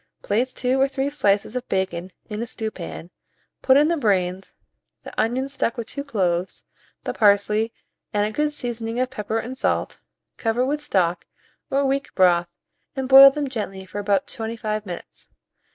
Place 2 or 3 slices of bacon in a stewpan, put in the brains, the onion stuck with 2 cloves, the parsley, and a good seasoning of pepper and salt; cover with stock, or weak broth, and boil them gently for about 25 minutes.